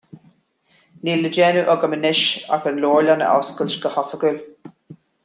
Níl le déanamh agam anois ach an leabharlann a oscailt go hoifigiúil.